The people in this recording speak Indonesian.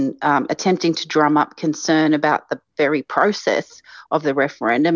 dalam mencoba untuk mengatakan tentang proses referendum